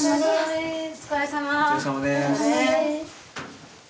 お疲れさまです。